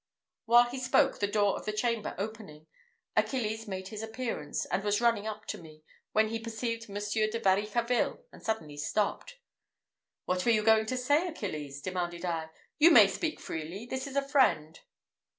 While he spoke, the door of the chamber opening, Achilles made his appearance, and was running up to me, when he perceived Monsieur de Varicarville, and suddenly stopped. "What were you going to say, Achilles?" demanded I. "You may speak freely: this is a friend."